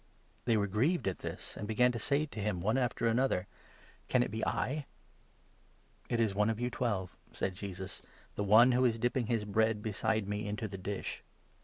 They were grieved at this, and began to say to him, one after 19 another :" Can it be I ?" "It is one of you Twelve," said Jesus, "the one who is 20 dipping his bread beside me into the dish.